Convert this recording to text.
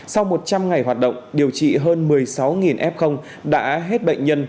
sau một trăm linh ngày hoạt động điều trị hơn một mươi sáu f đã hết bệnh nhân